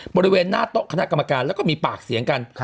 บริเวณหน้าโต๊ะคณะกรรมการแล้วก็มีปากเสียงกัน